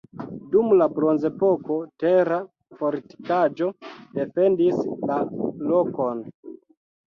Dum la bronzepoko tera fortikaĵo defendis la lokon.